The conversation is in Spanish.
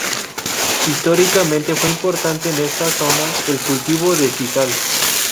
Históricamente fue importante en esta zona el cultivo de sisal.